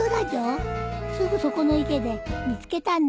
すぐそこの池で見つけたんだ。